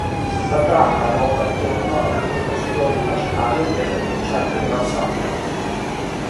La trama ruota attorno ad un compositore immaginario del "Concerto di Varsavia".